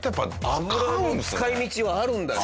油の使い道はあるんだね。